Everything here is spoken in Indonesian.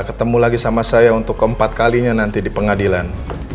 ketemu lagi sama saya untuk keempat kalinya nanti di pengadilan